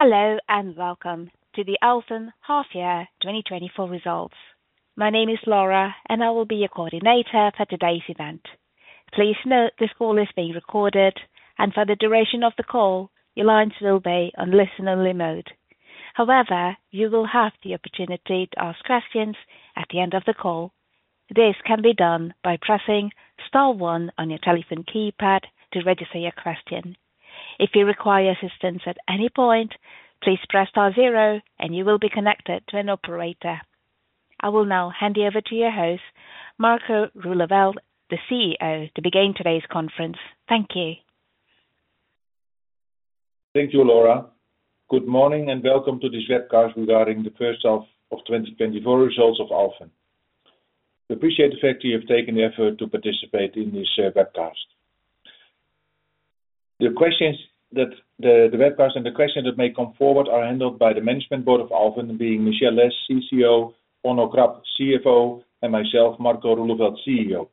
Hello, and welcome to the Alfen Half Year 2024 results. My name is Laura, and I will be your coordinator for today's event. Please note, this call is being recorded, and for the duration of the call, your lines will be on listen-only mode. However, you will have the opportunity to ask questions at the end of the call. This can be done by pressing star one on your telephone keypad to register your question. If you require assistance at any point, please press star zero and you will be connected to an operator. I will now hand over to your host, Marco Roeleveld, the CEO, to begin today's conference. Thank you. Thank you, Laura. Good morning, and welcome to this webcast regarding the first half of 2024 of Alfen. We appreciate the fact you have taken the effort to participate in this webcast. The questions that the webcast and the questions that may come forward are handled by the management board of Alfen, being Michelle Lesh, CCO, Onno Krap, CFO, and myself, Marco Roeleveld, CEO.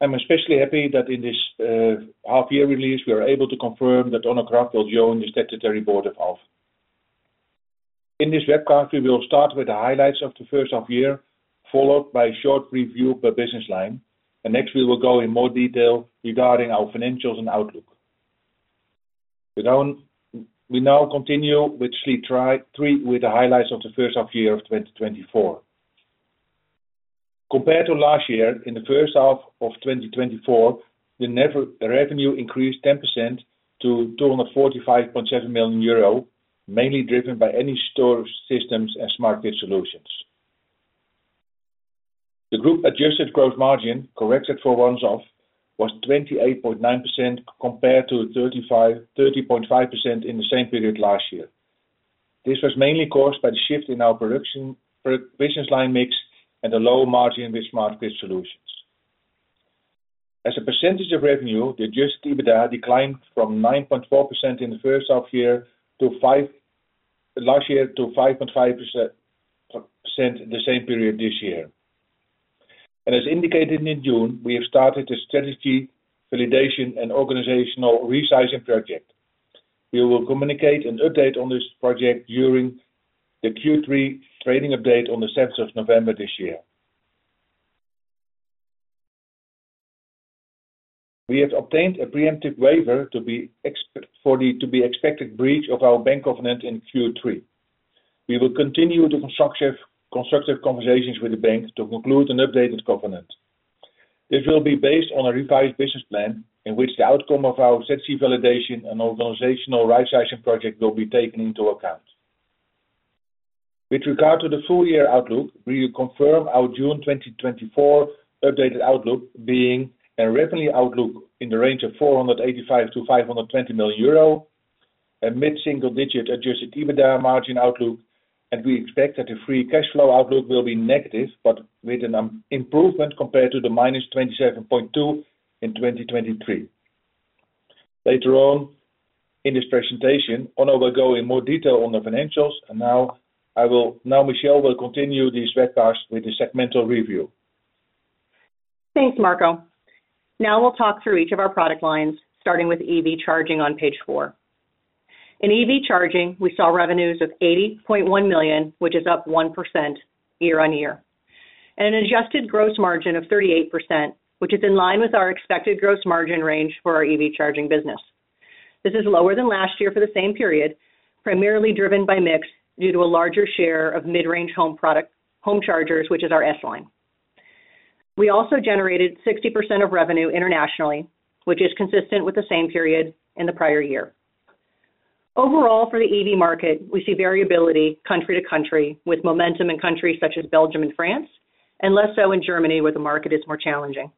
I'm especially happy that in this half year release, we are able to confirm that Onno Krap will join the statutory board of Alfen. In this webcast, we will start with the highlights of the first half year, followed by a short review per business line, and next, we will go in more detail regarding our financials and outlook. We now continue with slide three, with the highlights of the first half year of 2024. Compared to last year, in the first half of 2024, the net revenue increased 10% to 245.7 million euro, mainly driven by Energy Storage Systems and Smart Grid Solutions. The Group's adjusted gross margin, corrected for one-offs, was 28.9%, compared to 30.5% in the same period last year. This was mainly caused by the shift in our product business line mix and the lower margin with Smart Grid Solutions. As a percentage of revenue, the adjusted EBITDA declined from 9.4% in the first half year last year to 5.5% in the same period this year. As indicated in June, we have started a strategy validation and organizational right-sizing project. We will communicate an update on this project during the Q3 trading update on the seventh of November this year. We have obtained a preemptive waiver for the expected breach of our bank covenant in Q3. We will continue the constructive conversations with the bank to conclude an updated covenant. This will be based on a revised business plan, in which the outcome of our strategy validation and organizational rightsizing project will be taken into account. With regard to the full year outlook, we confirm our June 2024 updated outlook, being a revenue outlook in the range of 485 million-520 million euro, a mid-single-digit Adjusted EBITDA margin outlook, and we expect that the free cash flow outlook will be negative, but with an improvement compared to the -27.2 in 2023. Later on in this presentation, Onno will go in more detail on the financials, and now Michelle will continue this webcast with the segmental review. Thanks, Marco. Now we'll talk through each of our product lines, starting with EV charging on page four. In EV charging, we saw revenues of 80.1 million, which is up 1% year on year, and an adjusted gross margin of 38%, which is in line with our expected gross margin range for our EV charging business. This is lower than last year for the same period, primarily driven by mix, due to a larger share of mid-range home product, home chargers, which is our S line. We also generated 60% of revenue internationally, which is consistent with the same period in the prior year. Overall, for the EV market, we see variability country to country, with momentum in countries such as Belgium and France, and less so in Germany, where the market is more challenging.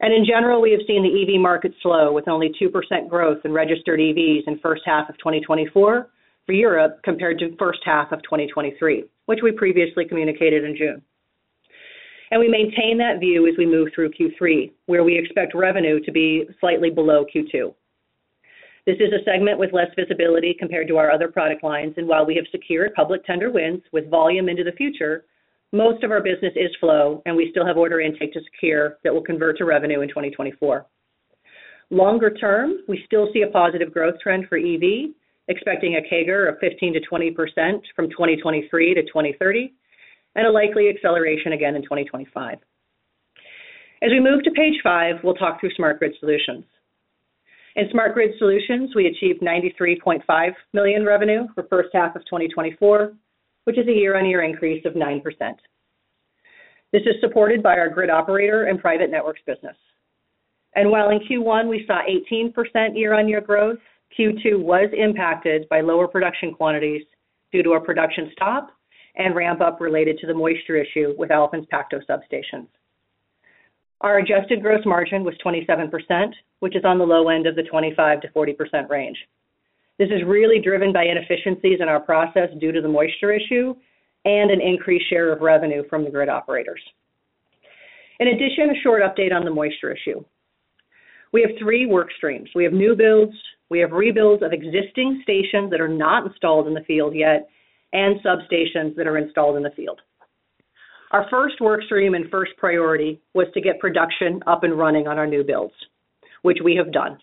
In general, we have seen the EV market slow, with only 2% growth in registered EVs in first half of 2024 for Europe, compared to first half of 2023, which we previously communicated in June. We maintain that view as we move through Q3, where we expect revenue to be slightly below Q2. This is a segment with less visibility compared to our other product lines, and while we have secured public tender wins with volume into the future, most of our business is flow, and we still have order intake to secure that will convert to revenue in 2024. Longer term, we still see a positive growth trend for EV, expecting a CAGR of 15%-20% from 2023 to 2030, and a likely acceleration again in 2025. As we move to page five, we'll talk through smart grid solutions. In smart grid solutions, we achieved 93.5 million revenue for first half of 2024, which is a year-on-year increase of 9%. This is supported by our grid operator and private networks business. And while in Q1 we saw 18% year-on-year growth, Q2 was impacted by lower production quantities due to a production stop and ramp up related to the moisture issue with Alfen's Pacto substations. Our adjusted gross margin was 27%, which is on the low end of the 25%-40% range. This is really driven by inefficiencies in our process due to the moisture issue and an increased share of revenue from the grid operators. In addition, a short update on the moisture issue. We have three work streams. We have new builds, we have rebuilds of existing stations that are not installed in the field yet, and substations that are installed in the field. Our first work stream and first priority was to get production up and running on our new builds, which we have done.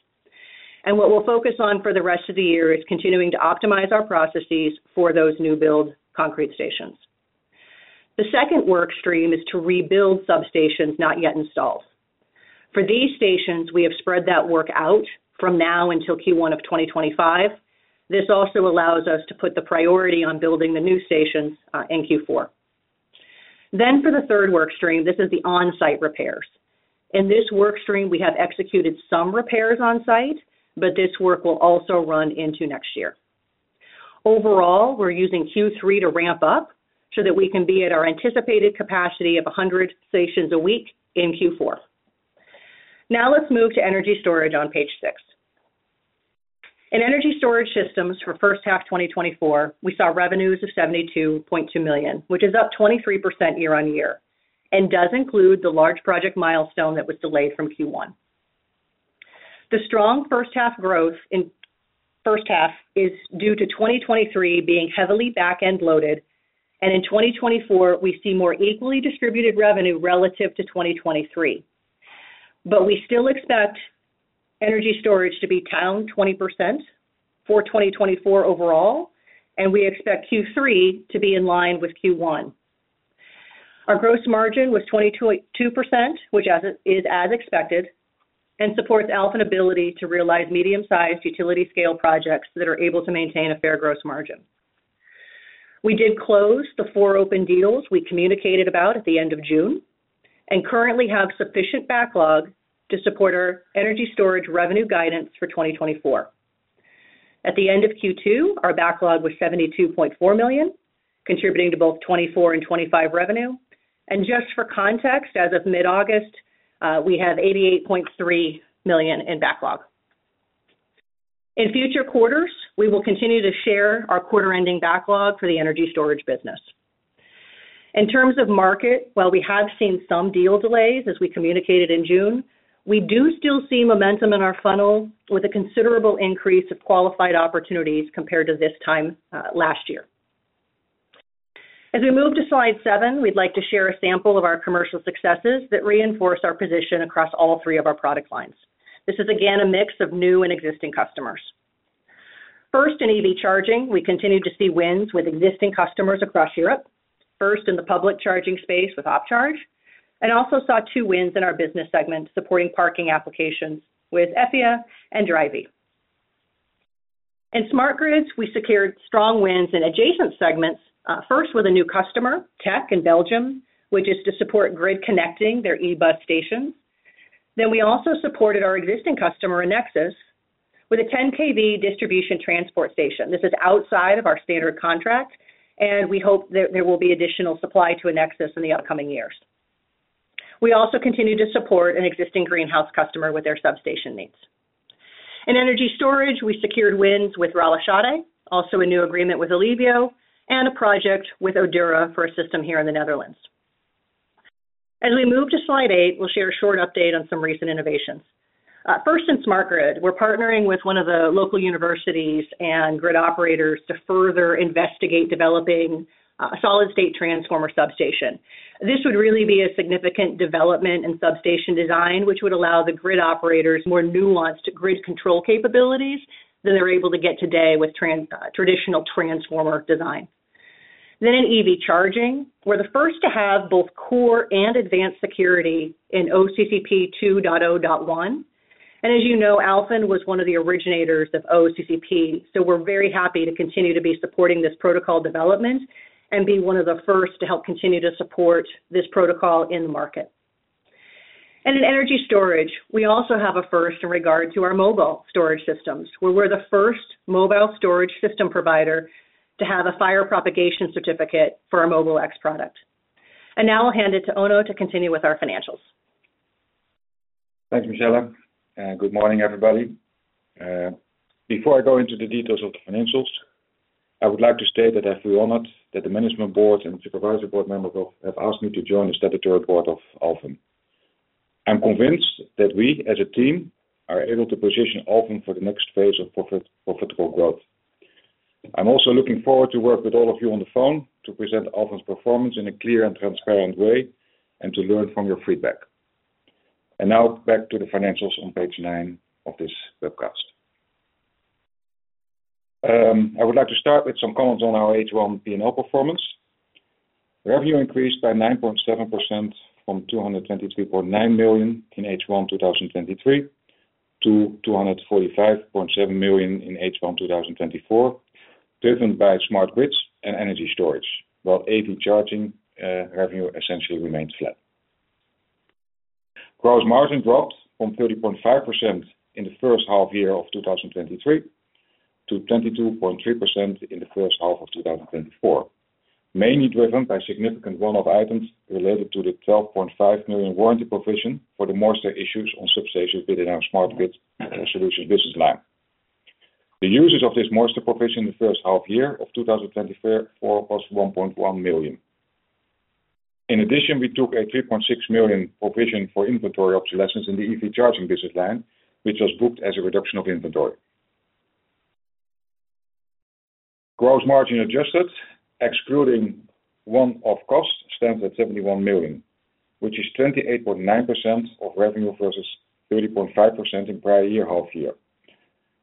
And what we'll focus on for the rest of the year is continuing to optimize our processes for those new build concrete stations. The second work stream is to rebuild substations not yet installed. For these stations, we have spread that work out from now until Q1 of 2025. This also allows us to put the priority on building the new stations in Q4. Then for the third work stream, this is the on-site repairs. In this work stream, we have executed some repairs on site, but this work will also run into next year. Overall, we're using Q3 to ramp up so that we can be at our anticipated capacity of a hundred stations a week in Q4. Now let's move to energy storage on page six. In energy storage systems for first half 2024, we saw revenues of 72.2 million, which is up 23% year on year, and does include the large project milestone that was delayed from Q1. The strong first half growth in first half is due to 2023 being heavily back-end loaded, and in 2024, we see more equally distributed revenue relative to 2023. But we still expect energy storage to be down 20% for 2024 overall, and we expect Q3 to be in line with Q1. Our gross margin was 22.2%, which, as it is, as expected, supports Alfen's ability to realize medium-sized utility-scale projects that are able to maintain a fair gross margin. We did close the four open deals we communicated about at the end of June, and currently have sufficient backlog to support our energy storage revenue guidance for 2024. At the end of Q2, our backlog was 72.4 million, contributing to both 2024 and 2025 revenue. Just for context, as of mid-August, we have 88.3 million in backlog. In future quarters, we will continue to share our quarter-ending backlog for the energy storage business. In terms of market, while we have seen some deal delays, as we communicated in June, we do still see momentum in our funnel with a considerable increase of qualified opportunities compared to this time, last year. As we move to slide seven, we'd like to share a sample of our commercial successes that reinforce our position across all three of our product lines. This is, again, a mix of new and existing customers. First, in EV charging, we continued to see wins with existing customers across Europe, first in the public charging space with OpCharge, and also saw two wins in our business segment, supporting parking applications with EFFIA and Driveco. In smart grids, we secured strong wins in adjacent segments, first with a new customer, TEC in Belgium, which is to support grid connecting their eBus station. Then we also supported our existing customer, Enexis, with a 10 kV distribution transport station. This is outside of our standard contract, and we hope that there will be additional supply to Enexis in the upcoming years. We also continue to support an existing greenhouse customer with their substation needs. In energy storage, we secured wins with Rabbalshede Kraft, also a new agreement with Ellevio, and a project with Odura for a system here in the Netherlands. As we move to slide 8, we'll share a short update on some recent innovations. First, in Smart Grid, we're partnering with one of the local universities and grid operators to further investigate developing a solid-state transformer substation. This would really be a significant development in substation design, which would allow the grid operators more nuanced grid control capabilities than they're able to get today with traditional transformer design. Then in EV charging, we're the first to have both core and advanced security in OCPP 2.0.1. And as you know, Alfen was one of the originators of OCPP, so we're very happy to continue to be supporting this protocol development and being one of the first to help continue to support this protocol in the market. And in energy storage, we also have a first in regard to our mobile storage systems, where we're the first mobile storage system provider to have a fire propagation certificate for our Mobile X product. And now I'll hand it to Onno to continue with our financials. Thanks, Michelle, and good morning, everybody. Before I go into the details of the financials, I would like to state that I feel honored that the management board and supervisory board member have asked me to join the statutory board of Alfen. I'm convinced that we, as a team, are able to position Alfen for the next phase of profitable growth. I'm also looking forward to work with all of you on the phone to present Alfen's performance in a clear and transparent way and to learn from your feedback. And now back to the financials on page nine of this webcast. I would like to start with some comments on our H1 P&L performance. Revenue increased by 9.7% from 223.9 million in H1 2023 to 245.7 million in H1 2024, driven by smart grids and energy storage, while EV charging revenue essentially remained flat. Gross margin dropped from 30.5% in the first half year of 2023 to 22.3% in the first half of 2024, mainly driven by significant one-off items related to the 12.5 million warranty provision for the moisture issues on substations within our Smart Grid Solutions business line. The uses of this moisture provision in the first half year of 2024 was 1.1 million. In addition, we took a 3.6 million provision for inventory obsolescence in the EV charging business line, which was booked as a reduction of inventory. Gross margin adjusted, excluding one-off costs, stands at 71 million, which is 28.9% of revenue versus 30.5% in prior year half year.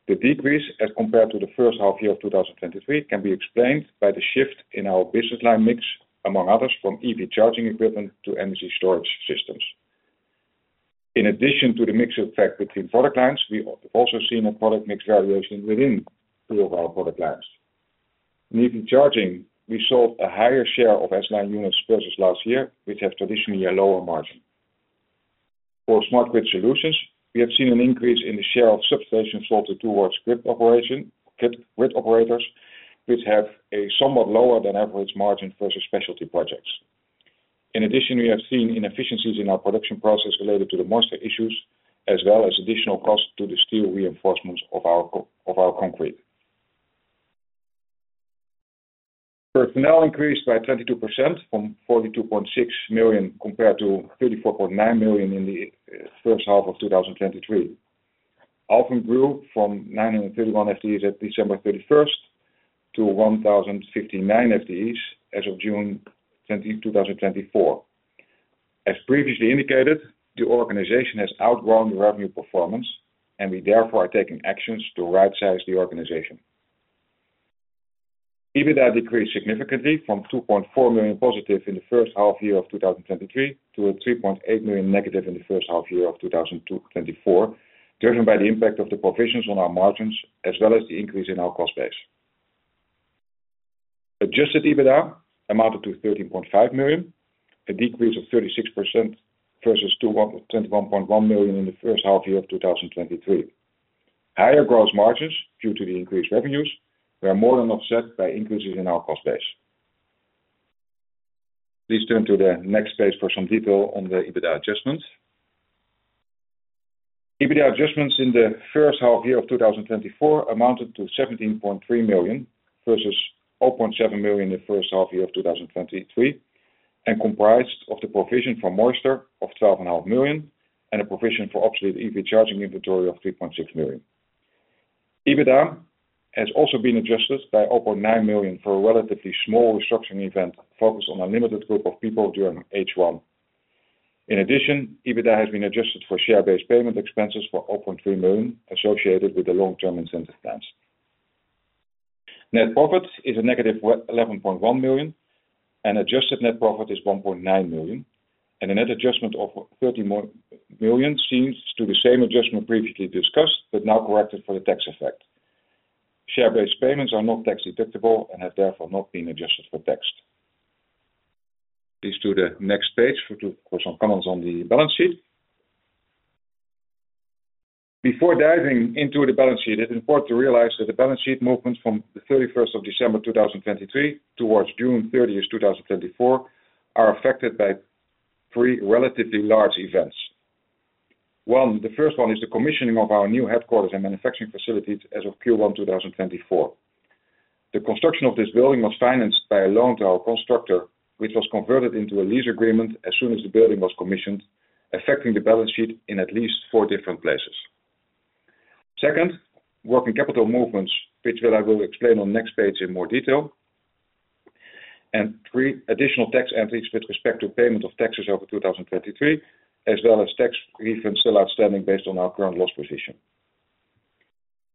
The decrease as compared to the first half year of 2023 can be explained by the shift in our business line mix, among others, from EV charging equipment to energy storage systems. In addition to the mix effect between product lines, we have also seen a product mix variation within three of our product lines. In EV charging, we sold a higher share of S-line units versus last year, which have traditionally a lower margin. For smart grid solutions, we have seen an increase in the share of substations sold to grid operators, which have a somewhat lower than average margin versus specialty projects. In addition, we have seen inefficiencies in our production process related to the moisture issues, as well as additional costs to the steel reinforcements of our concrete. Personnel increased by 22% from 42.6 million compared to 34.9 million in the first half of 2023. Alfen grew from 931 FTEs at December thirty-first to 1,059 FTEs as of June 20, 2024. As previously indicated, the organization has outgrown the revenue performance, and we therefore are taking actions to right size the organization. EBITDA decreased significantly from 2.4 million positive in the first half year of 2023 to a 3.8 million negative in the first half year of 2024, driven by the impact of the provisions on our margins, as well as the increase in our cost base. Adjusted EBITDA amounted to 13.5 million, a decrease of 36% versus 21.1 million in the first half year of 2023. Higher gross margins due to the increased revenues were more than offset by increases in our cost base. Please turn to the next page for some detail on the EBITDA adjustments. EBITDA adjustments in the first half year of 2024 amounted to 17.3 million EUR versus 0.7 million EUR in the first half year of 2023, and comprised of the provision for moisture of 12.5 million EUR, and a provision for obsolete EV charging inventory of 3.6 million EUR. EBITDA has also been adjusted by 0.9 million EUR for a relatively small restructuring event focused on a limited group of people during H1. In addition, EBITDA has been adjusted for share-based payment expenses for 0.3 million EUR associated with the long-term incentive plans. Net profit is a negative eleven point one million EUR, and adjusted net profit is 1.9 million EUR, and a net adjustment of 30 million EUR seems to the same adjustment previously discussed, but now corrected for the tax effect. Share-based payments are not tax deductible and have therefore not been adjusted for tax. Please turn to the next page for some comments on the balance sheet. Before diving into the balance sheet, it's important to realize that the balance sheet movements from the thirty-first of December 2023 towards June thirtieth, 2024, are affected by three relatively large events. One, the first one is the commissioning of our new headquarters and manufacturing facilities as of Q1, 2024. The construction of this building was financed by a loan to our constructor, which was converted into a lease agreement as soon as the building was commissioned, affecting the balance sheet in at least four different places. Second, working capital movements, which I will explain on the next page in more detail. Three, additional tax entries with respect to payment of taxes over 2023, as well as tax refunds still outstanding based on our current loss position.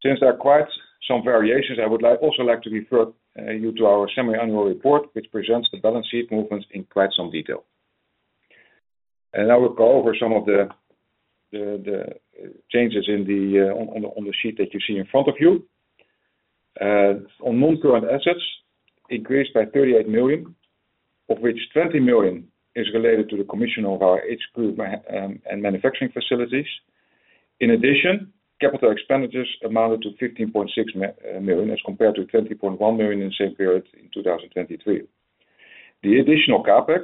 Since there are quite some variations, I would like, also like to refer you to our semi-annual report, which presents the balance sheet movements in quite some detail. I will go over some of the changes in the on the on the sheet that you see in front of you. On non-current assets, increased by 38 million, of which 20 million is related to the commission of our HQ and manufacturing facilities. In addition, capital expenditures amounted to 15.6 million, as compared to 20.1 million in the same period in 2023. The additional CapEx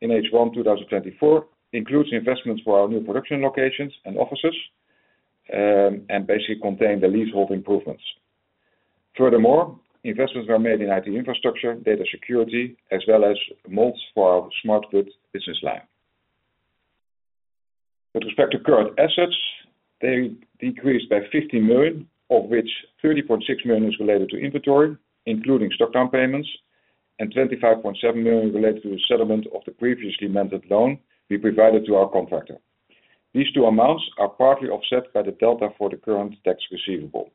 in H1 2024 includes investments for our new production locations and offices, and basically contain the leasehold improvements. Furthermore, investments were made in IT infrastructure, data security, as well as molds for our smart grid business line. With respect to current assets, they decreased by 50 million, of which 30.6 million is related to inventory, including stock down payments, and 25.7 million related to the settlement of the previously mentioned loan we provided to our contractor. These two amounts are partly offset by the delta for the current tax receivable.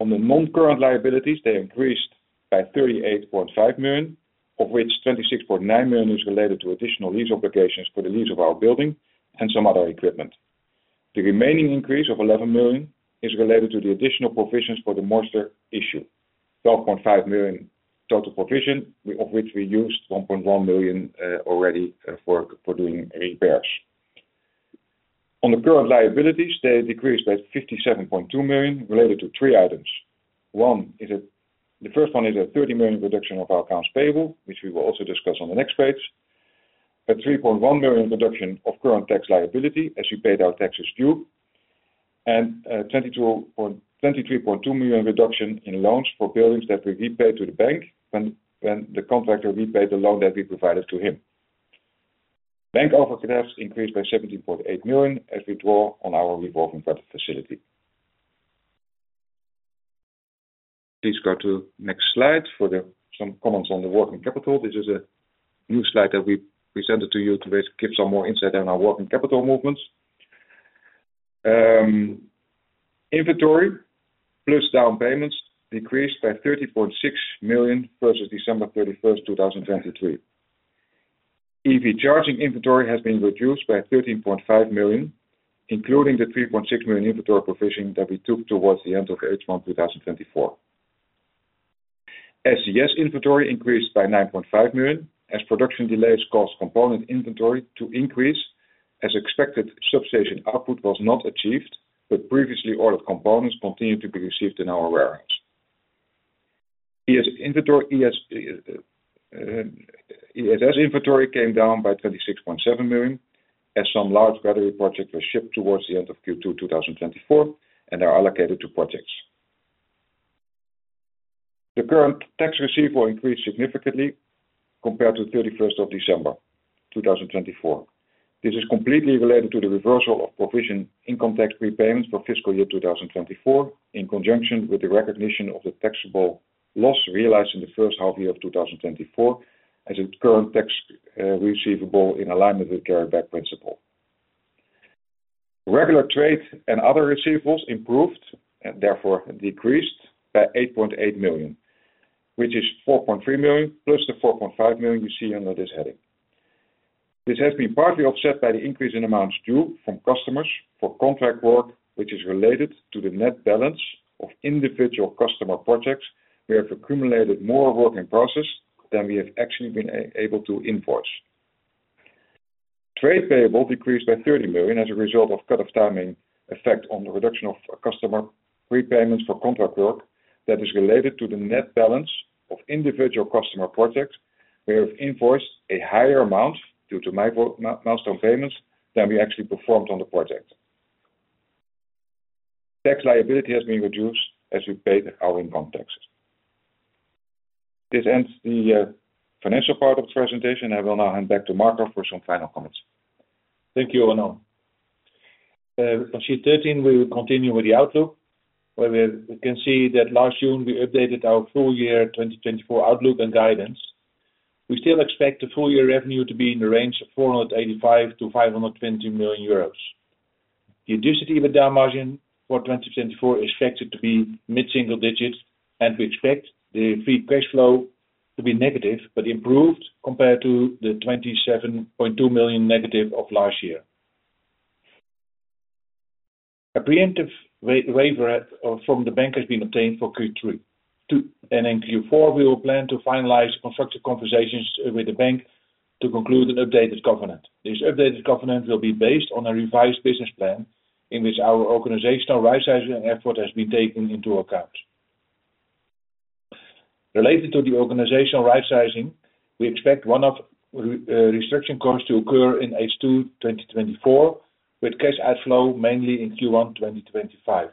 On the non-current liabilities, they increased by 38.5 million, of which 26.9 million is related to additional lease obligations for the lease of our building and some other equipment. The remaining increase of 11 million is related to the additional provisions for the moisture issue, 12.5 million total provision, of which we used 1.1 million already for doing repairs. On the current liabilities, they decreased by 57.2 million, related to three items. The first one is a 30 million reduction of our accounts payable, which we will also discuss on the next page. A 3.1 million reduction of current tax liability, as we paid our taxes due, and 23.2 million reduction in loans for buildings that we repaid to the bank when the contractor repaid the loan that we provided to him. Bank overdrafts increased by 17.8 million as we draw on our revolving credit facility. Please go to next slide for some comments on the working capital. This is a new slide that we presented to you to basically give some more insight on our working capital movements. Inventory, plus down payments decreased by 30.6 million versus December 31, 2023. EV charging inventory has been reduced by 13.5 million, including the 3.6 million inventory provision that we took towards the end of H1 2024. SCS inventory increased by 9.5 million as production delays caused component inventory to increase. As expected, substation output was not achieved, but previously ordered components continued to be received in our warehouse. ESS inventory came down by 26.7 million, as some large battery projects were shipped towards the end of Q2 2024 and are allocated to projects. The current tax receivable increased significantly compared to the thirty-first of December 2024. This is completely related to the reversal of provision income tax prepayments for fiscal year 2024, in conjunction with the recognition of the taxable loss realized in the first half year of 2024, as its current tax receivable in alignment with carry back principle. Regular trade and other receivables improved and therefore decreased by 8.8 million, which is 4.3 million, plus the 4.5 million you see under this heading. This has been partly offset by the increase in amounts due from customers for contract work, which is related to the net balance of individual customer projects, where have accumulated more work in process than we have actually been able to invoice. Trade payable decreased by 30 million EUR as a result of cut-off timing effect on the reduction of customer prepayments for contract work that is related to the net balance of individual customer projects. We have invoiced a higher amount due to milestone payments than we actually performed on the project. Tax liability has been reduced as we paid our income taxes. This ends the financial part of the presentation. I will now hand back to Marco for some final comments. Thank you, Onno. On sheet thirteen, we will continue with the outlook, where we can see that last June we updated our full year 2024 outlook and guidance. We still expect the full year revenue to be in the range of 485 million-520 million euros. The Adjusted EBITDA margin for 2024 is expected to be mid-single digits, and we expect the free cash flow to be negative, but improved compared to the negative 27.2 million of last year. A preemptive waiver from the bank has been obtained for Q3. And in Q4, we will plan to finalize constructive conversations with the bank to conclude an updated covenant. This updated covenant will be based on a revised business plan, in which our organizational rightsizing effort has been taken into account. Related to the organizational rightsizing, we expect one-off restructuring costs to occur in H2, 2024, with cash outflow mainly in Q1, 2025.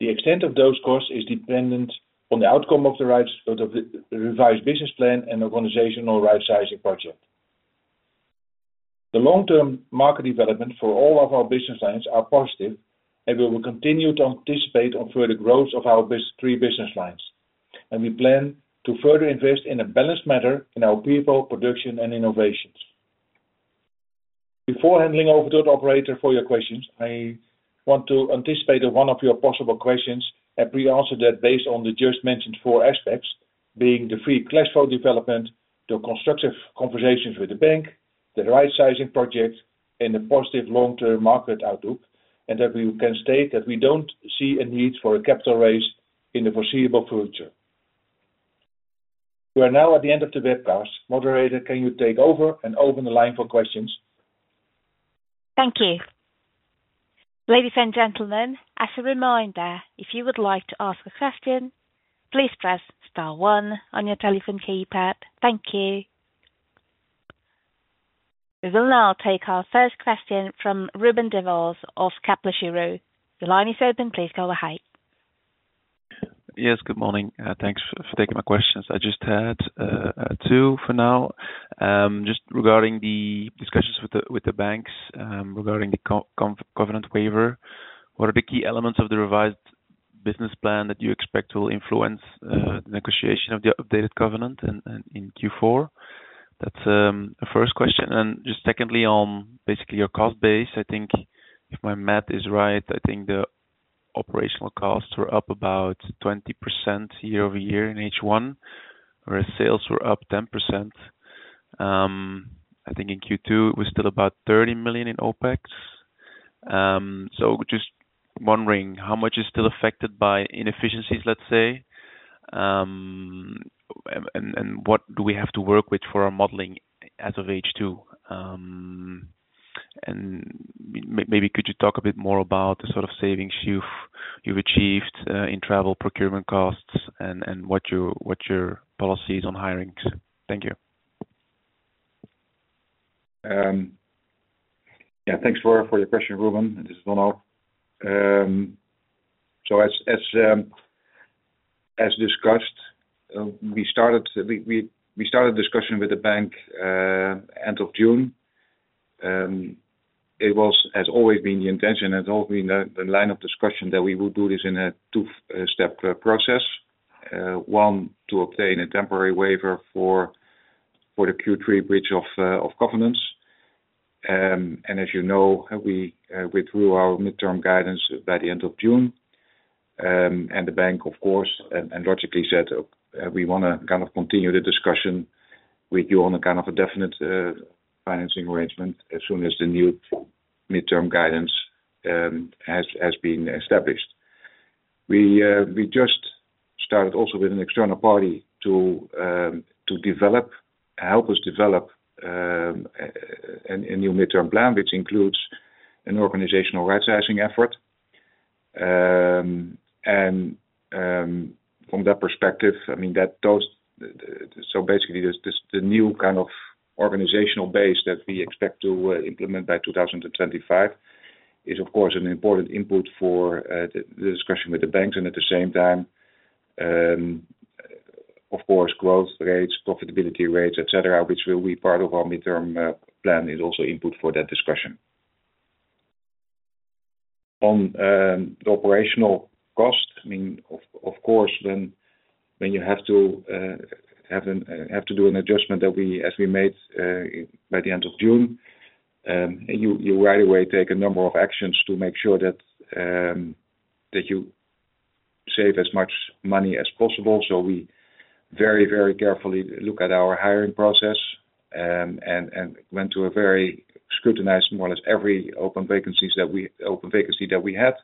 The extent of those costs is dependent on the outcome of the revised business plan and organizational rightsizing project. The long-term market development for all of our business lines are positive, and we will continue to anticipate on further growth of our three business lines. And we plan to further invest in a balanced manner in our people, production, and innovations. Before handing over to the operator for your questions, I want to anticipate one of your possible questions and pre-answer that based on the just mentioned four aspects, being the free cash flow development, the constructive conversations with the bank, the rightsizing project, and the positive long-term market outlook, and that we can state that we don't see a need for a capital raise in the foreseeable future. We are now at the end of the webcast. Moderator, can you take over and open the line for questions? Thank you. Ladies and gentlemen, as a reminder, if you would like to ask a question, please press star one on your telephone keypad. Thank you. We will now take our first question from Ruben Devos of Kepler Cheuvreux. The line is open. Please go ahead. Yes, good morning. Thanks for taking my questions. I just had two for now. Just regarding the discussions with the banks, regarding the covenant waiver, what are the key elements of the revised business plan that you expect will influence the negotiation of the updated covenant in Q4? That's the first question, and just secondly, on basically your cost base, I think if my math is right, I think the operational costs were up about 20% year-over-year in H1, whereas sales were up 10%. I think in Q2 it was still about 30 million in OpEx, so just wondering, how much is still affected by inefficiencies, let's say, and what do we have to work with for our modeling as of H2? Maybe could you talk a bit more about the sort of savings you've achieved in travel procurement costs and what your policy is on hirings? Thank you.... Yeah, thanks for your question, Ruben. This is Ronald. So as discussed, we started discussion with the bank end of June. It has always been the intention, the line of discussion that we will do this in a two-step process. One, to obtain a temporary waiver for the Q3 breach of covenant. And as you know, we drew our mid-term guidance by the end of June. And the bank, of course, and logically said, "We wanna kind of continue the discussion with you on a kind of a definite financing arrangement as soon as the new midterm guidance has been established." We just started also with an external party to develop, help us develop a new midterm plan, which includes an organizational rightsizing effort. And from that perspective, I mean, so basically, there's this new kind of organizational base that we expect to implement by 2025, is, of course, an important input for the discussion with the banks. And at the same time, of course, growth rates, profitability rates, et cetera, which will be part of our midterm plan, is also input for that discussion. On the operational cost, I mean, of course, when you have to do an adjustment that we, as we made, by the end of June, you right away take a number of actions to make sure that you save as much money as possible. So we very, very carefully look at our hiring process, and went to a very scrutinized, more or less, every open vacancy that we had.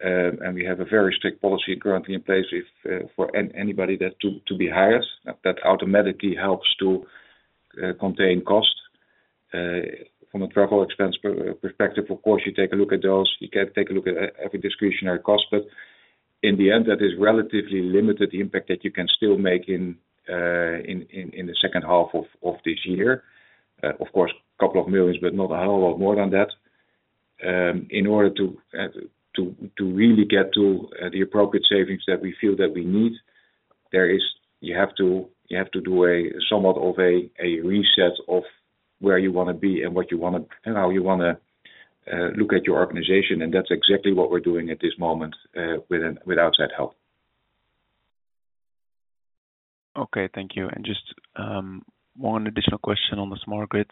And we have a very strict policy currently in place if, for anybody to be hired, that automatically helps to contain cost. From a travel expense perspective, of course, you take a look at those. You can take a look at every discretionary cost, but in the end, that is relatively limited impact that you can still make in the second half of this year. Of course, couple of millions, but not a whole lot more than that. In order to really get to the appropriate savings that we feel that we need, there is... You have to do a somewhat of a reset of where you wanna be and what you wanna, and how you wanna look at your organization, and that's exactly what we're doing at this moment, with outside help. Okay, thank you. And just one additional question on the smart grids.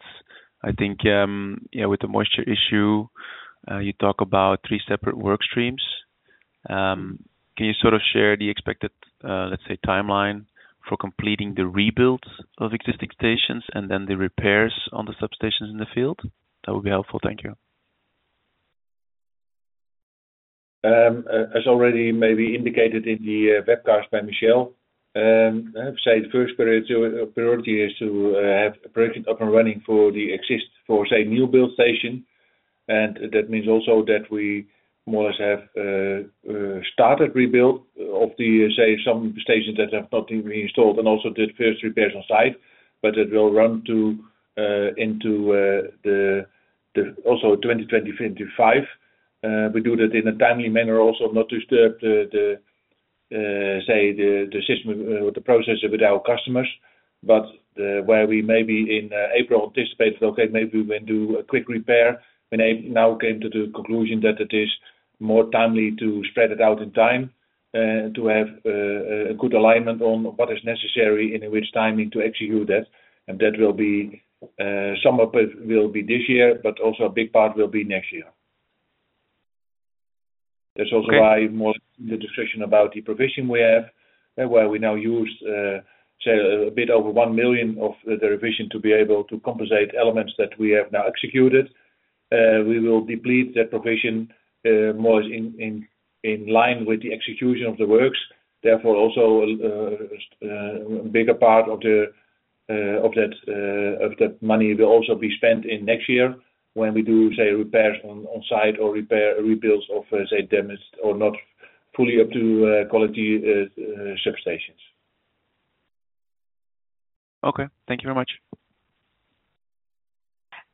I think, yeah, with the moisture issue, you talk about three separate work streams. Can you sort of share the expected, let's say, timeline for completing the rebuild of existing stations and then the repairs on the substations in the field? That would be helpful. Thank you. As already maybe indicated in the webcast by Michelle, I'd say the first priority is to have a project up and running for the existing, say, new build substation. And that means also that we more or less have started rebuild of the, say, some substations that have not been reinstalled and also did first repairs on site, but it will run into 2020, 2025. We do that in a timely manner, also not disturb the, say, the system or the process with our customers, but where we may be in April anticipate, okay, maybe we will do a quick repair. We now came to the conclusion that it is more timely to spread it out in time, to have a good alignment on what is necessary and in which timing to execute that, and that will be, some of it will be this year, but also a big part will be next year. Okay. That's also why more the discussion about the provision we have, and where we now use, say, a bit over 1 million of the provision to be able to compensate elements that we have now executed. We will deplete that provision more in line with the execution of the works. Therefore, also, bigger part of that money will also be spent in next year, when we do, say, repairs on site or repair rebuilds of, say, damaged or not fully up to quality substations. Okay. Thank you very much.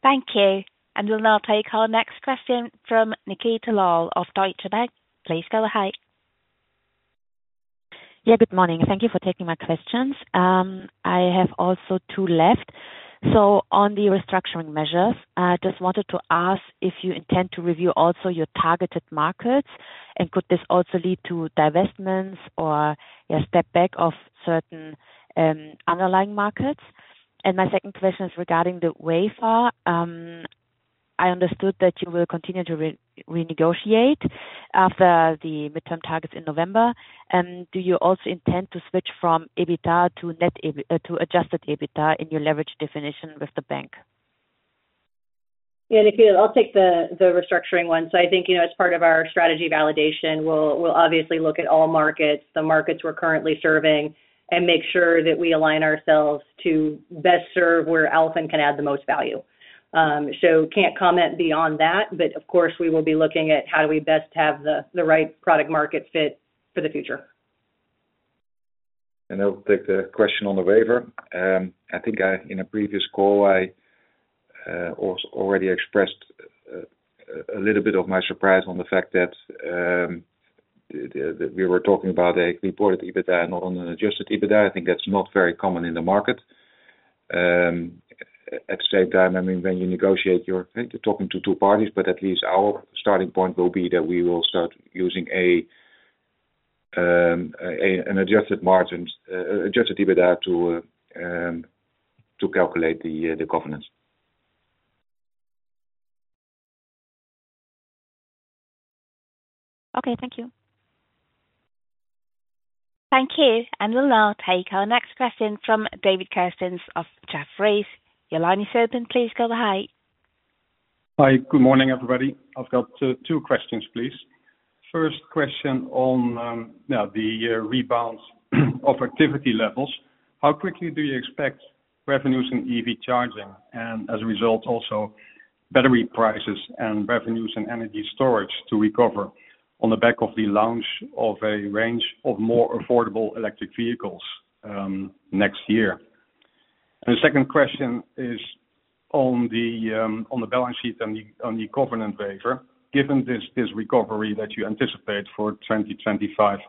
Thank you, and we'll now take our next question from Nikita Lal of Deutsche Bank. Please go ahead. Yeah, good morning. Thank you for taking my questions. I have also two left. So on the restructuring measures, I just wanted to ask if you intend to review also your targeted markets, and could this also lead to divestments or a step back of certain underlying markets? And my second question is regarding the waiver. I understood that you will continue to renegotiate after the midterm targets in November. Do you also intend to switch from EBITDA to adjusted EBITDA in your leverage definition with the bank? Yeah, Nikita, I'll take the, the restructuring one. So I think, you know, as part of our strategy validation, we'll, we'll obviously look at all markets, the markets we're currently serving, and make sure that we align ourselves to best serve where Alfen can add the most value. So can't comment beyond that, but of course, we will be looking at how do we best have the, the right product market fit for the future.... And I'll take the question on the waiver. I think, in a previous call, I already expressed a little bit of my surprise on the fact that we were talking about a reported EBITDA, not on an adjusted EBITDA. I think that's not very common in the market. At the same time, I mean, when you negotiate your right, you're talking to two parties, but at least our starting point will be that we will start using an adjusted margins, adjusted EBITDA to calculate the covenants. Okay, thank you. Thank you. And we'll now take our next question from David Kerstens of Jefferies. Your line is open. Please go ahead. Hi, good morning, everybody. I've got two questions, please. First question on the rebounds of activity levels. How quickly do you expect revenues in EV charging, and as a result, also battery prices and revenues and energy storage to recover on the back of the launch of a range of more affordable electric vehicles next year? And the second question is on the balance sheet and the covenant waiver. Given this recovery that you anticipate for 2025,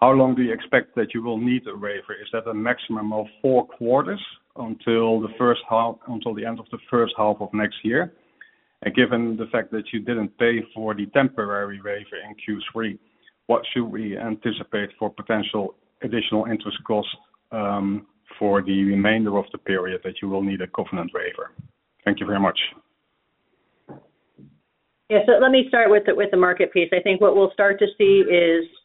how long do you expect that you will need a waiver? Is that a maximum of four quarters until the first half, until the end of the first half of next year? Given the fact that you didn't pay for the temporary waiver in Q3, what should we anticipate for potential additional interest costs for the remainder of the period that you will need a covenant waiver? Thank you very much. Yeah, so let me start with the market piece. I think what we'll start to see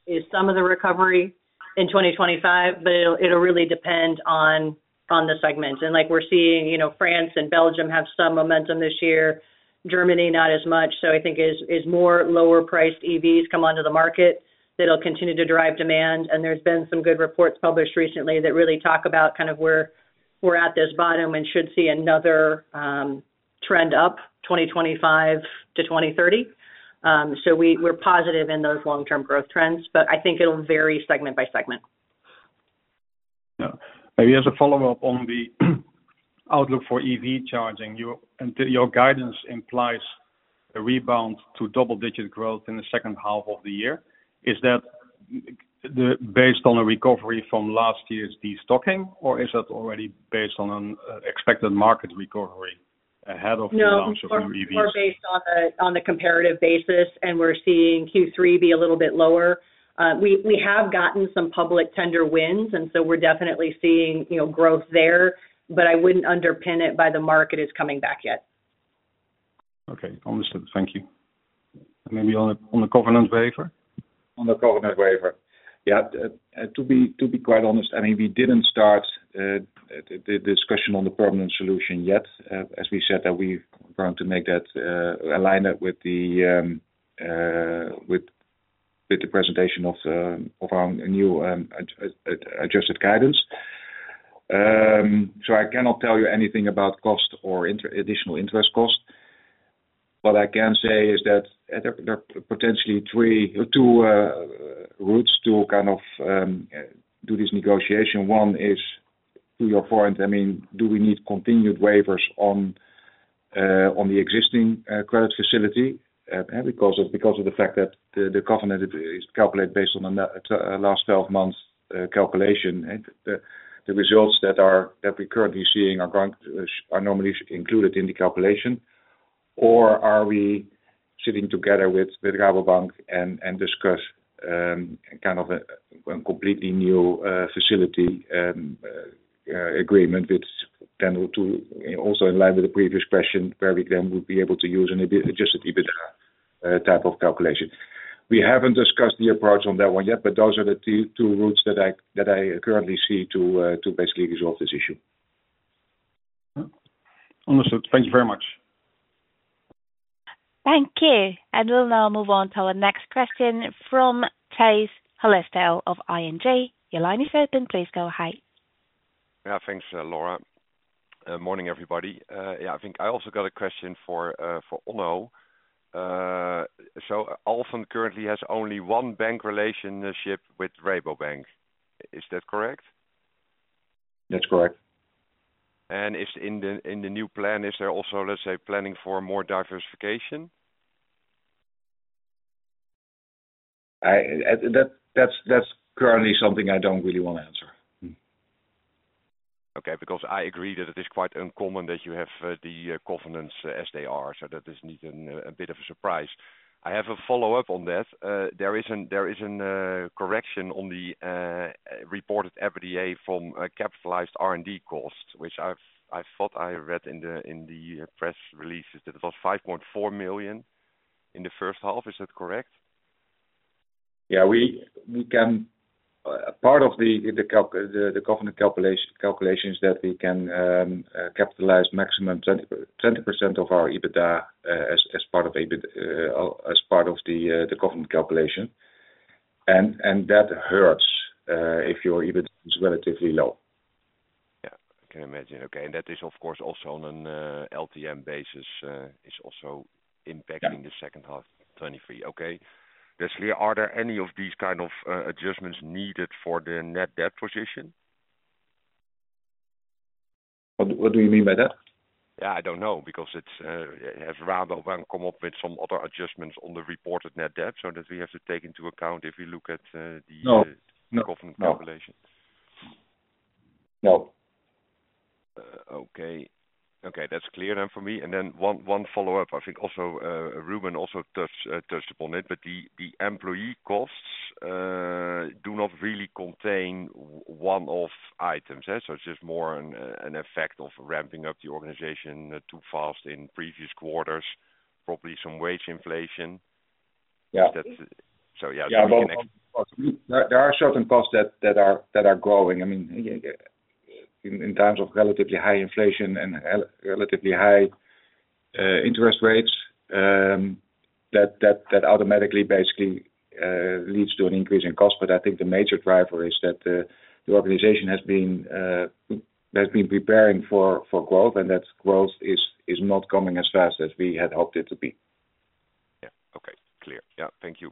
is some of the recovery in 2025, but it'll really depend on the segments. And like we're seeing, you know, France and Belgium have some momentum this year, Germany, not as much. So I think as more lower-priced EVs come onto the market, it'll continue to drive demand. And there's been some good reports published recently that really talk about kind of where we're at this bottom and should see another trend up 2025 to 2030. So we're positive in those long-term growth trends, but I think it'll vary segment by segment. Yeah. Maybe as a follow-up on the outlook for EV charging, your guidance implies a rebound to double-digit growth in the second half of the year. Is that the, based on a recovery from last year's destocking, or is that already based on an expected market recovery ahead of the launch of EVs? No, more more based on the comparative basis, and we're seeing Q3 be a little bit lower. We have gotten some public tender wins, and so we're definitely seeing, you know, growth there, but I wouldn't underpin it by the market is coming back yet. Okay, understood. Thank you. Maybe on the covenant waiver? On the covenant waiver. Yeah, to be quite honest, I mean, we didn't start the discussion on the permanent solution yet. As we said, that we've going to make that align it with the presentation of our new adjusted guidance. So I cannot tell you anything about cost or additional interest cost. What I can say is that there are potentially two routes to kind of do this negotiation. One is, to your point, I mean, do we need continued waivers on the existing credit facility? Because of the fact that the covenant is calculated based on the last twelve months calculation, and the results that we're currently seeing are normally included in the calculation. Or are we sitting together with the Rabobank and discuss kind of a completely new facility agreement, generally, too, also in line with the previous question, where we then would be able to use an EBITDA, Adjusted EBITDA, type of calculation. We haven't discussed the approach on that one yet, but those are the two routes that I currently see to basically resolve this issue. Understood. Thank you very much. Thank you, and we'll now move on to our next question from Thijs Hollestelle of ING. Your line is open. Please go ahead. Yeah, thanks, Laura. Morning, everybody. Yeah, I think I also got a question for for Onno. So Alfen currently has only one bank relationship with Rabobank. Is that correct? That's correct. Is in the new plan, is there also, let's say, planning for more diversification? That's currently something I don't really want to answer. Okay, because I agree that it is quite uncommon that you have the covenants as they are, so that is indeed a bit of a surprise. I have a follow-up on that. There is a correction on the reported EBITDA from a capitalized R&D cost, which I thought I read in the press release is that it was 5.4 million in the first half. Is that correct? Yeah. We can. Part of the covenant calculation is that we can capitalize maximum 20% of our EBITDA as part of EBIT as part of the covenant calculation, and that hurts if your EBIT is relatively low.... I can imagine. Okay, and that is, of course, also on an LTM basis, is also impacting- Yeah the second half 2023. Okay. Lastly, are there any of these kind of adjustments needed for the net debt position? What, what do you mean by that? Yeah, I don't know, because it has come down when we come up with some other adjustments on the reported net debt, so that we have to take into account if we look at the- No. Covenant calculations. No. Okay. Okay, that's clear then for me, and then one follow-up. I think also Ruben also touched upon it, but the employee costs do not really contain one-off items, so it's just more an effect of ramping up the organization too fast in previous quarters, probably some wage inflation. Yeah. So yeah- There are certain costs that are growing. I mean, in terms of relatively high inflation and relatively high interest rates, that automatically basically leads to an increase in cost. But I think the major driver is that the organization has been preparing for growth, and that growth is not coming as fast as we had hoped it to be. Yeah. Okay, clear. Yeah. Thank you.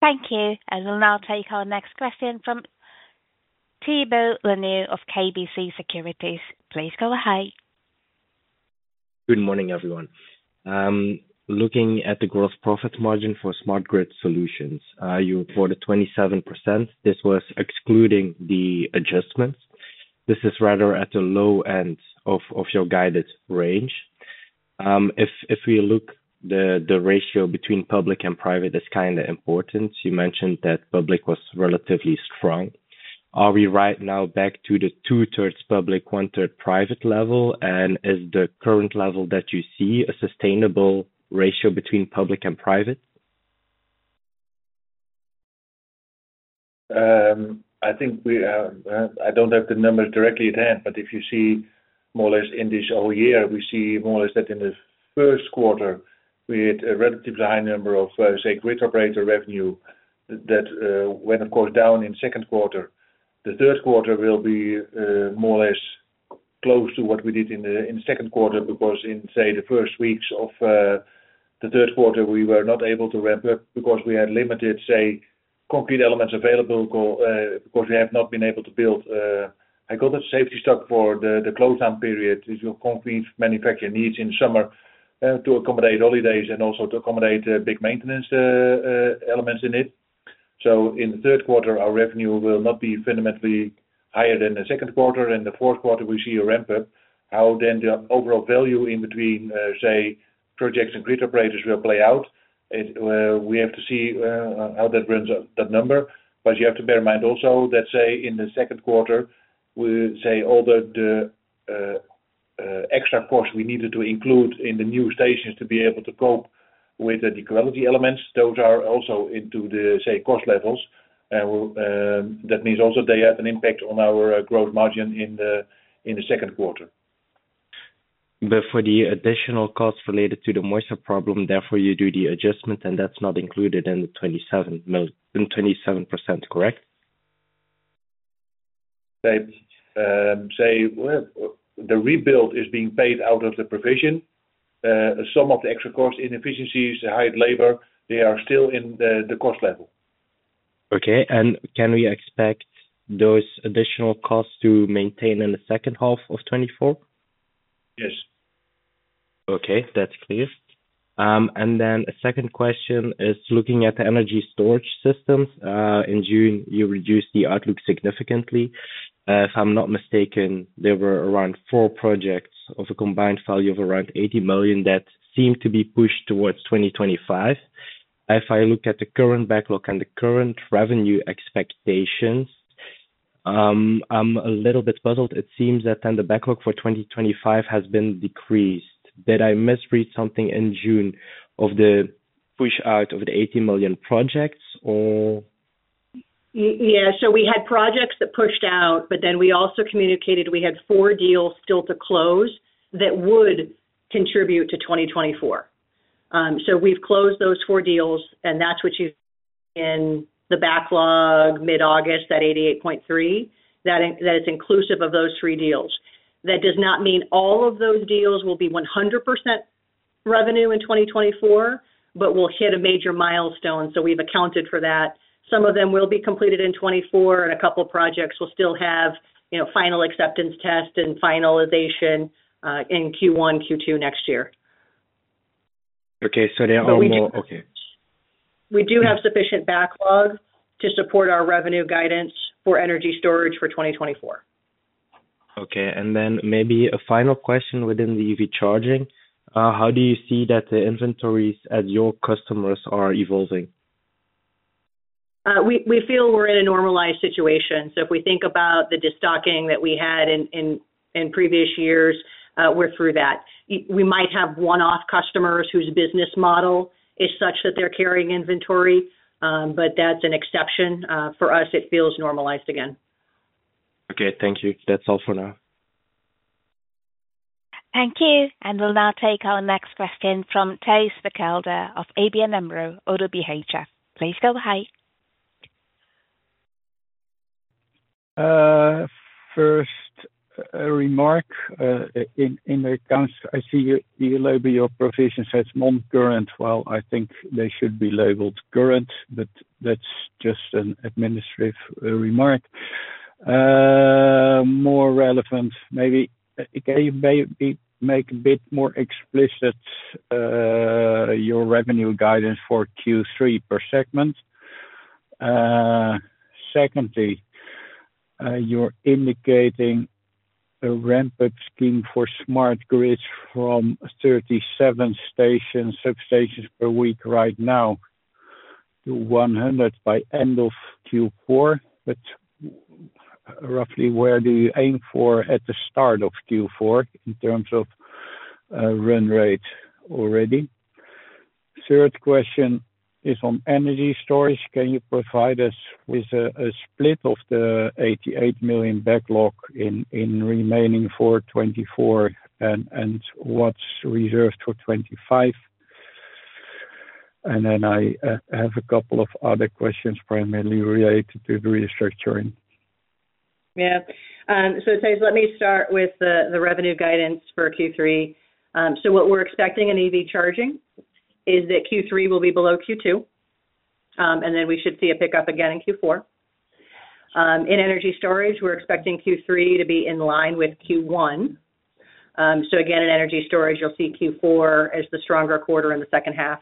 Thank you. I will now take our next question from Thibault Leneeuw of KBC Securities. Please go ahead. Good morning, everyone. Looking at the growth profit margin for smart grid solutions, you reported 27%. This was excluding the adjustments. This is rather at the low end of your guided range. If we look at the ratio between public and private, it is kind of important. You mentioned that public was relatively strong. Are we right now back to the two-thirds public, one-third private level? And is the current level that you see a sustainable ratio between public and private? I think we, I don't have the numbers directly at hand, but if you see more or less in this whole year, we see more or less that in the first quarter, we had a relatively high number of, say, grid operator revenue, that went, of course, down in second quarter. The third quarter will be more or less close to what we did in the second quarter, because in, say, the first weeks of the third quarter, we were not able to ramp up because we had limited, say, concrete elements available. Because we have not been able to build a good safety stock for the close-down period due to concrete manufacturing needs in summer to accommodate holidays and also to accommodate big maintenance elements in it. So in the third quarter, our revenue will not be fundamentally higher than the second quarter, and the fourth quarter, we see a ramp up. How then the overall value in between, say, projects and grid operators will play out, it, we have to see, how that brings up that number. But you have to bear in mind also that, say, in the second quarter, we saw all the, the extra cost we needed to include in the new stations to be able to cope with the quality elements, those are also into the, say, cost levels. That means also they have an impact on our, growth margin in the, in the second quarter. But for the additional costs related to the moisture problem, therefore, you do the adjustment, and that's not included in the 27%, correct? Let's say, well, the rebuild is being paid out of the provision. Some of the extra costs, inefficiencies, the high labor, they are still in the cost level. Okay. And can we expect those additional costs to maintain in the second half of 2024? Yes. Okay, that's clear, and then a second question is looking at the energy storage systems. In June, you reduced the outlook significantly. If I'm not mistaken, there were around four projects of a combined value of around 80 million that seemed to be pushed towards 2025. If I look at the current backlog and the current revenue expectations, I'm a little bit puzzled. It seems that then the backlog for 2025 has been decreased. Did I misread something in June of the push-out of the 80 million projects, or? Yeah, so we had projects that pushed out, but then we also communicated we had four deals still to close that would contribute to 2024. So we've closed those four deals, and that's what you've... In the backlog, mid-August, that 88.3, that is inclusive of those three deals. That does not mean all of those deals will be 100% revenue in 2024, but we'll hit a major milestone, so we've accounted for that. Some of them will be completed in 2024, and a couple projects will still have, you know, final acceptance test and finalization in Q1, Q2 next year. Okay, so there are more- But we do- Okay. We do have sufficient backlog to support our revenue guidance for energy storage for 2024. Okay, and then maybe a final question within the EV charging. How do you see that the inventories at your customers are evolving? We feel we're in a normalized situation. So if we think about the destocking that we had in previous years, we're through that. We might have one-off customers whose business model is such that they're carrying inventory, but that's an exception. For us, it feels normalized again. Okay, thank you. That's all for now. Thank you. And we'll now take our next question from Thijs Berkelder of ABN AMRO ODDO BHF. Please go ahead. First, a remark in the accounts. I see you label your provision as non-current, while I think they should be labeled current, but that's just an administrative remark. More relevant, maybe, can you maybe make a bit more explicit your revenue guidance for Q3 per segment? Secondly, you're indicating a ramp-up scheme for smart grids from 37 substations per week right now to 100 by end of Q4. But roughly, where do you aim for at the start of Q4, in terms of run rate already? Third question is on energy storage. Can you provide us with a split of the 88 million backlog in remaining for 2024 and what's reserved for 2025? Then I have a couple of other questions, primarily related to the restructuring. Yeah. So Thijs, let me start with the revenue guidance for Q3. So what we're expecting in EV charging is that Q3 will be below Q2. And then we should see a pickup again in Q4. In energy storage, we're expecting Q3 to be in line with Q1. So again, in energy storage, you'll see Q4 as the stronger quarter in the second half.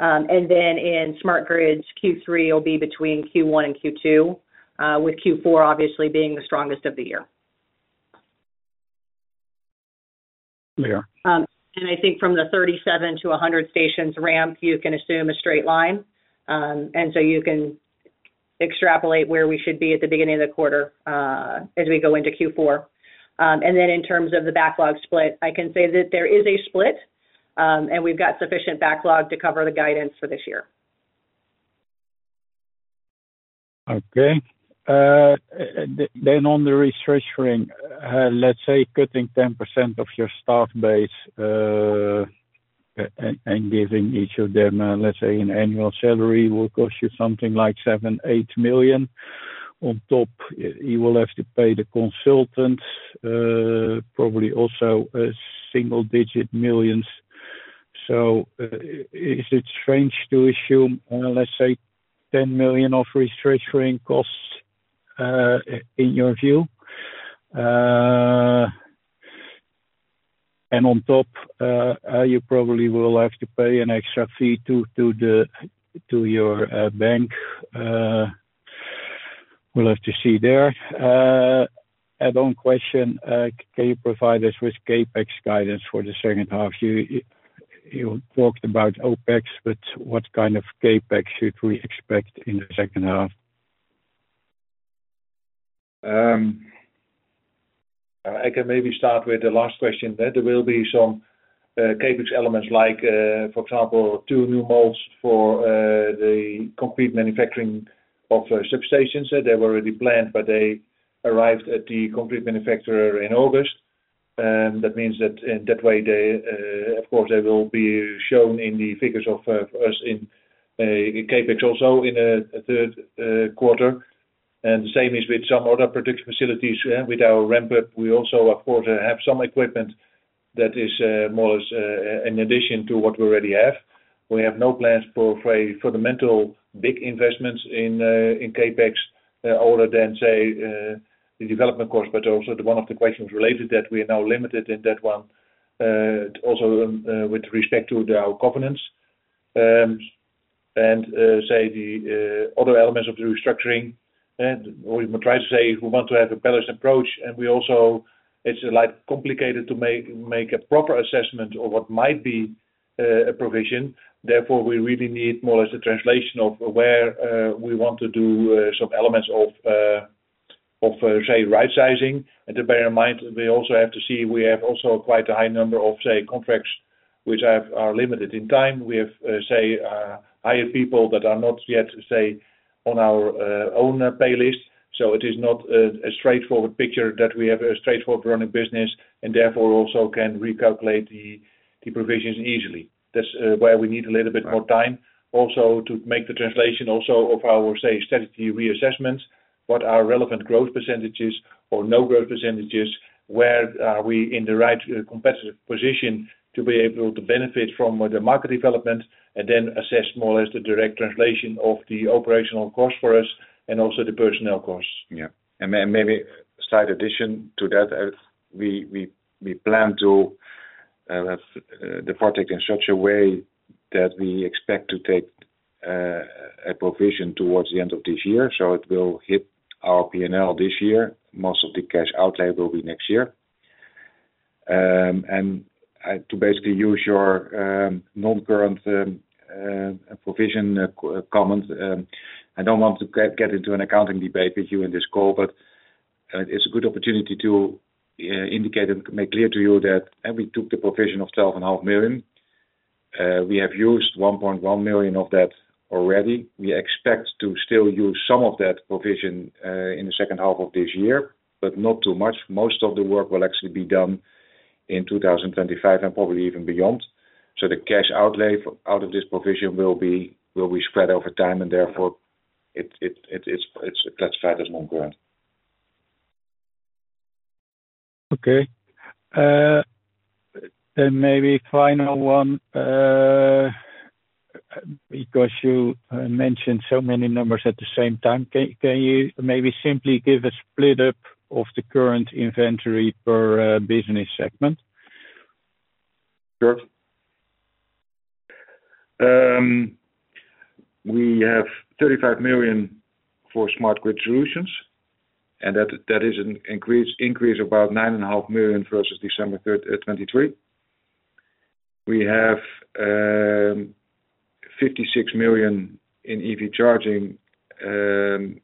And then in smart grids, Q3 will be between Q1 and Q2, with Q4 obviously being the strongest of the year. Clear. And I think from the 37 to 100 stations ramp, you can assume a straight line. And so you can extrapolate where we should be at the beginning of the quarter, as we go into Q4. And then in terms of the backlog split, I can say that there is a split, and we've got sufficient backlog to cover the guidance for this year. Okay. Then on the restructuring, let's say, cutting 10% of your staff base, and giving each of them, let's say, an annual salary, will cost you something like 7-8 million. On top, you will have to pay the consultants, probably also single-digit millions. So, is it strange to assume, let's say, 10 million of restructuring costs, in your view? And on top, you probably will have to pay an extra fee to your bank. We'll have to see there. Add-on question, can you provide us with CapEx guidance for the second half? You talked about OpEx, but what kind of CapEx should we expect in the second half? I can maybe start with the last question, that there will be some CapEx elements, like, for example, two new molds for the complete manufacturing of substations. They were already planned, but they arrived at the complete manufacturer in August, and that means that in that way, they, of course, they will be shown in the figures of us in CapEx, also in the third quarter. The same is with some other production facilities. With our ramp up, we also, of course, have some equipment that is more or less an addition to what we already have. We have no plans for a fundamental big investments in CapEx other than, say, the development course, but also the... One of the questions related that we are now limited in that one, also, with respect to our covenants. And say the other elements of the restructuring, and we try to say we want to have a balanced approach, and we also, it's like complicated to make a proper assessment of what might be a provision. Therefore, we really need more or less a translation of where we want to do some elements of say right sizing. And to bear in mind, we also have to see, we have also quite a high number of say contracts, which are limited in time. We have say hired people that are not yet say on our own payroll. So it is not a straightforward picture that we have a straightforward running business and therefore also can recalculate the provisions easily. That's why we need a little bit more time, also to make the translation also of our, say, strategy reassessments, what are relevant growth percentages or no growth percentages, where are we in the right competitive position to be able to benefit from the market development, and then assess more or less the direct translation of the operational cost for us and also the personnel costs. Yeah. And maybe slight addition to that, as we plan to have the project in such a way that we expect to take a provision towards the end of this year, so it will hit our P&L this year. Most of the cash outlay will be next year. To basically use your non-current provision comment, I don't want to get into an accounting debate with you in this call, but it's a good opportunity to indicate and make clear to you that, and we took the provision of 12.5 million. We have used 1.1 million of that already. We expect to still use some of that provision in the second half of this year, but not too much. Most of the work will actually be done in 2025 and probably even beyond. So the cash outlay out of this provision will be spread over time, and therefore, it's classified as non-current. Okay. Then maybe final one, because you mentioned so many numbers at the same time, can you maybe simply give a split up of the current inventory per business segment? Sure. We have 35 million for smart grid solutions, and that is an increase about 9.5 million versus December 3, 2023. We have 56 million in EV charging, and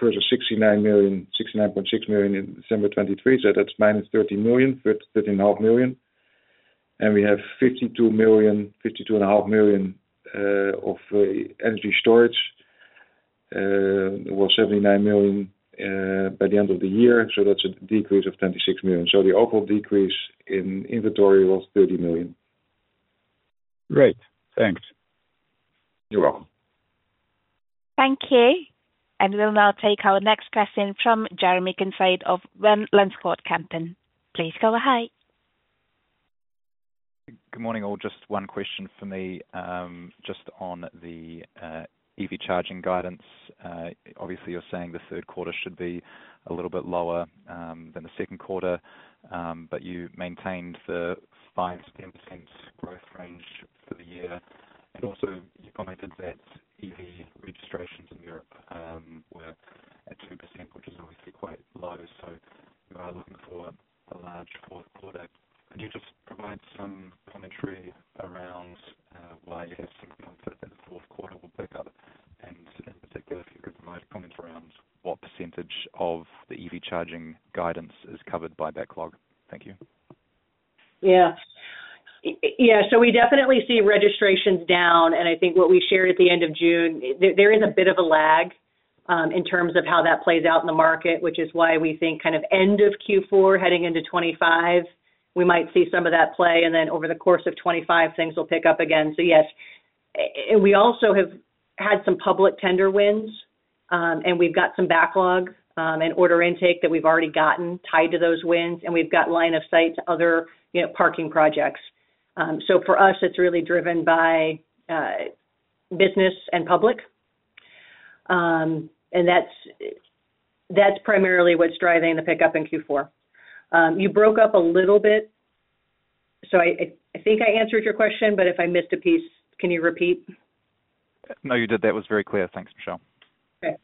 versus 69 million, 69.6 million in December 2023. So that's minus 13 million, 13.5 million. And we have 52 million, 52.5 million of energy storage was 79 million by the end of the year, so that's a decrease of 26 million. So the overall decrease in inventory was 30 million. Great, thanks. You're welcome. Thank you, and we'll now take our next question from Jeremy Kincaid of Van Lanschot Kempen. Please go ahead. Good morning, all. Just one question for me. Just on the EV charging guidance. Obviously, you're saying the third quarter should be a little bit lower than the second quarter. But you maintained the 5%-10% growth range for the year. And also you commented that EV registrations in Europe were at 2%, which is obviously quite low, so you are looking for a large fourth quarter. Can you just provide some commentary around why you have some comfort that the fourth quarter will pick up? And in particular, if you could provide comment around what percentage of the EV charging guidance is covered by backlog. Thank you. Yeah. Yeah, so we definitely see registrations down, and I think what we shared at the end of June, there is a bit of a lag in terms of how that plays out in the market, which is why we think kind of end of Q4 heading into 2025, we might see some of that play, and then over the course of 2025, things will pick up again. So yes, and we also have had some public tender wins, and we've got some backlog, and order intake that we've already gotten tied to those wins, and we've got line of sight to other, you know, parking projects. So for us, it's really driven by business and public. And that's primarily what's driving the pickup in Q4. You broke up a little bit, so I think I answered your question, but if I missed a piece, can you repeat? No, you did. That was very clear. Thanks, Michelle. Okay.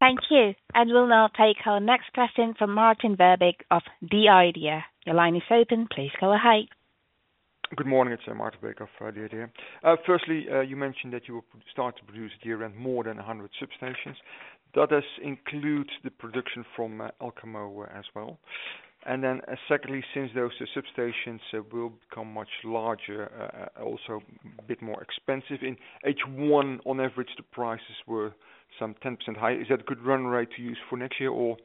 Thank you. And we'll now take our next question from Maarten Verbeek of The Idea. The line is open. Please go ahead. Good morning, it's Maarten Verbeek of The Idea. Firstly, you mentioned that you will start to produce year-end more than 100 substations. That does include the production from Alfen Elkamo, as well? And then secondly, since those substations will become much larger, also a bit more expensive, in H1, on average, the prices were some 10% higher. Is that a good run rate to use for next year, or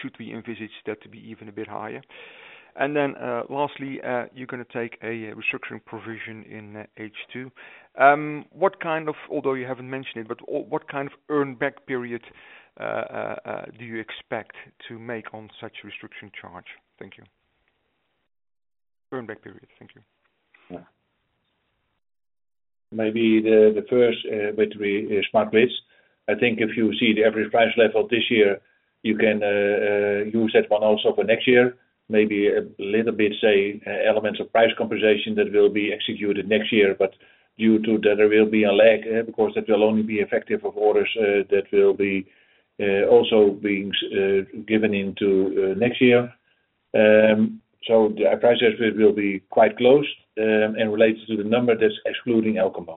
should we envisage that to be even a bit higher? And then lastly, you're gonna take a restructuring provision in H2. What kind of... Although you haven't mentioned it, but all- what kind of earn back period do you expect to make on such a restructuring charge? Thank you. Earn back period. Thank you. Yeah. Maybe the first which we is smart grids. I think if you see the average price level this year, you can use that one also for next year. Maybe a little bit say elements of price compensation that will be executed next year, but due to that, there will be a lag because that will only be effective of orders that will be also being given into next year. So the price actually will be quite close and relates to the number that's excluding Alfen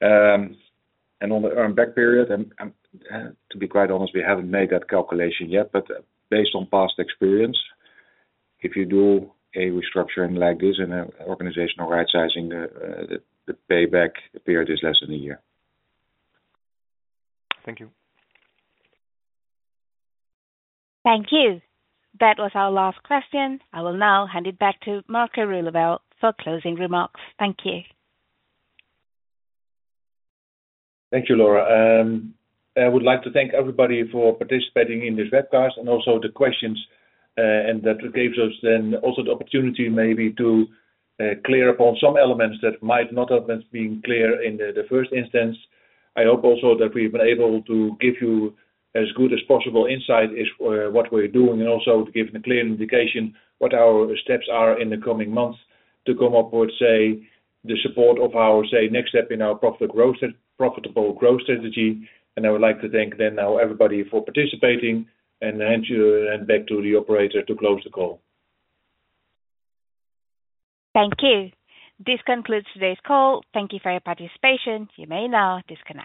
Elkamo. And on the earn back period and to be quite honest, we haven't made that calculation yet, but based on past experience, if you do a restructuring like this and a organizational rightsizing the payback period is less than a year. Thank you. Thank you. That was our last question. I will now hand it back to Marco Roelofsen for closing remarks. Thank you. Thank you, Laura. I would like to thank everybody for participating in this webcast and also the questions, and that gives us then also the opportunity maybe to clear up on some elements that might not have been being clear in the first instance. I hope also that we've been able to give you as good as possible insight as what we're doing, and also to give a clear indication what our steps are in the coming months to come up with, say, the support of our, say, next step in our profit growth profitable growth strategy. And I would like to thank then now everybody for participating, and hand you then back to the operator to close the call. Thank you. This concludes today's call. Thank you for your participation. You may now disconnect.